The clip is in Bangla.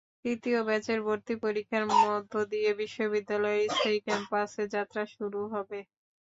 তৃতীয় ব্যাচের ভর্তি পরীক্ষার মধ্য দিয়ে বিশ্ববিদ্যালয়ের স্থায়ী ক্যাম্পাসে যাত্রা শুরু হবে।